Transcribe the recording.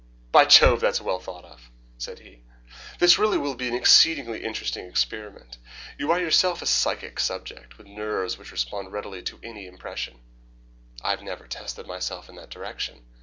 "By Jove, that's well thought of," said he. "This really will be an exceedingly interesting experiment. You are yourself a psychic subject with nerves which respond readily to any impression." "I have never tested myself in that direction."